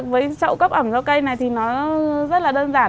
với trậu cấp ẩm cho cây này thì nó rất là đơn giản